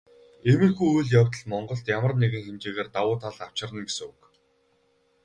Иймэрхүү үйл явдал Монголд ямар нэгэн хэмжээгээр давуу тал авчирна гэсэн үг.